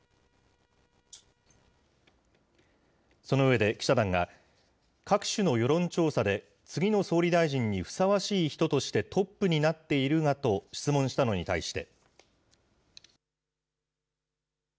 その上で、記者団が各種の世論調査で、次の総理大臣にふさわしい人としてトップになっているがと質問したのに対して。